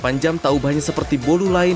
kue delapan jam tak ubahnya seperti bolu lain